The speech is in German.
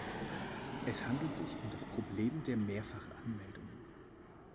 Es handelt sich um das Problem der Mehrfachanmeldungen.